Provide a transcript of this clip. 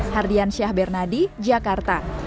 hardian syahbernadi jakarta